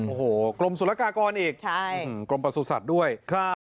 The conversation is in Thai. โอ้โหกรมศุลกากรอีกใช่อืมกรมประสุทธิ์ด้วยครับ